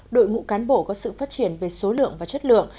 đội ngũ cán bộ có sự phát triển về số lượng và chất lượng